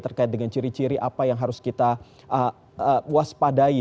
terkait dengan ciri ciri apa yang harus kita waspadai